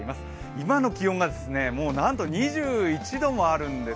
今の気温がなんと２１度もあるんです。